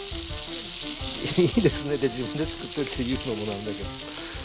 いいですねって自分でつくっといて言うのもなんだけど。